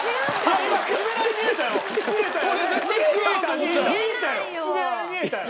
見えたよ！